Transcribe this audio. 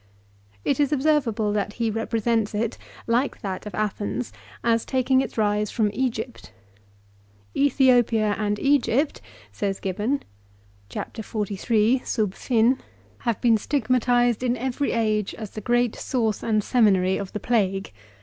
It is observable that he represents it, like that of Athens, as takings its rise from Egypt. " Ethiopia and Egypt," says Gibbon, (ch. xliii. subjin.y) "have been stigmatized, in every age, as the gnreat source and seminary of the plague.